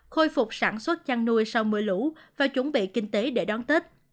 khôi phục sản xuất chăn nuôi sau mưa lũ và chuẩn bị kinh tế để đón tết